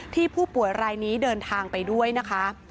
ที่ผู้ป่วยไลน์นี้เดินทางไปด้วยนะคะ